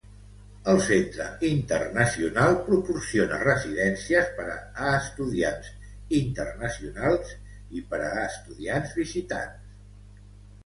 El Centre Internacional proporciona residències per a estudiants internacionals i per a estudiants visitants.